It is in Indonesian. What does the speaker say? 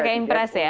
pakai impress ya